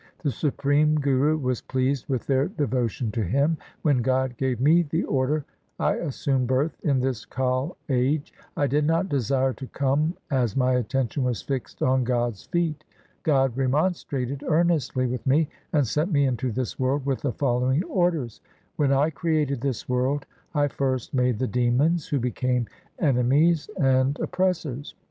The Supreme Guru was pleased With their devotion to Him. When God gave me the order I assumed birth in this Kal age. I did not desire to come, As my attention was fixed on God's feet. God remonstrated earnestly with me, And sent me into this world with the following orders :— 4 When I created this world I first made the demons, who became enemies and op pressors.